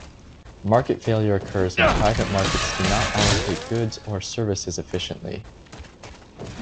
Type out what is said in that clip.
"Market failure" occurs when private markets do not allocate goods or services efficiently.